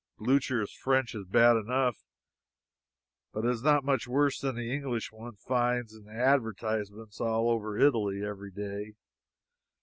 Blucher's French is bad enough, but it is not much worse than the English one finds in advertisements all over Italy every day.